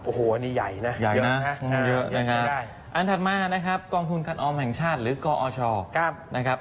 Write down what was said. โอ้โหอันนี้ใหญ่นะใหญ่นะเยอะนะฮะอันถัดมานะครับกองทุนคันออมแห่งชาติหรือกอชนะครับ